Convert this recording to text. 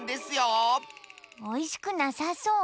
おいしくなさそう。